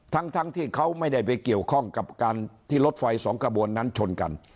ทั้งทั้งที่เขาไม่ได้ปฏิเสธที่รถไฟสองกระบวนนั้นชนกัน